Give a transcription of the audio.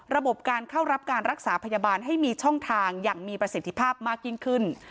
ระบบการเข้ารับการรักษาพยาบาลให้มีช่องทางอย่างมีประสิทธิภาพมากยิ่งขึ้น